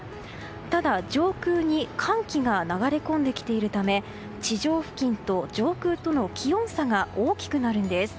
ただ、上空に寒気が流れ込んできているため地上付近と上空との気温差が大きくなるんです。